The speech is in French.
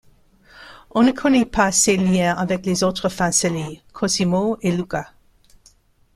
On ne connaît pas ses liens avec les autres Fancelli, Cosimo et Luca.